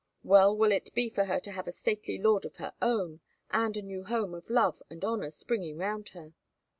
Well will it be for her to have a stately lord of her own, and a new home of love and honour springing round her."